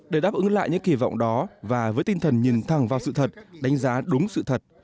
để đáp ứng lại những kỳ vọng đó và với tinh thần nhìn thẳng vào sự thật đánh giá đúng sự thật